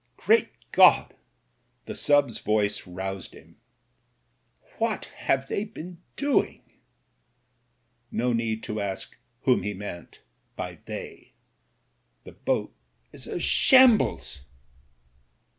"Great God !" The sub's voice roused him. "What have, they been doing?" No need to ask whom he meant by "they." "The boat is a shambles."